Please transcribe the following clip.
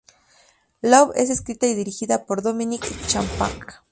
Love es escrita y dirigida por Dominic Champagne.